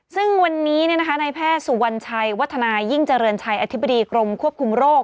ซึ่งวันนี้ในแพทย์สุวรรณชัยวัฒนายิ่งเจริญชัยอธิบดีกรมควบคุมโรค